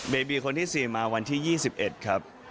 เบบีย์คนที่สี่มาวันที่๒๑ครับ